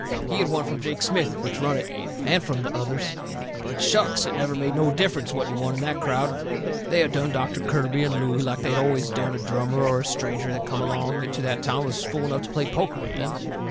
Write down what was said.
He had won from Jake Smith, which run it, and from the others. But shucks! it never made no difference what you won in that crowd. They had done Doctor Kirby and Looey like they always done a drummer or a stranger that come along to that town and was fool enough to play poker with them.